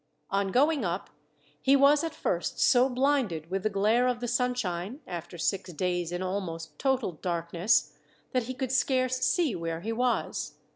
On going up, he was at first so blinded with the glare of the sunshine after six days in almost total darkness that he could scarce see where he was.